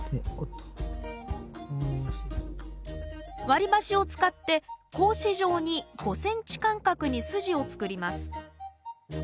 割り箸を使って格子状に５ｃｍ間隔に筋を作ります